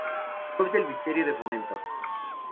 Web del Ministerio de Fomento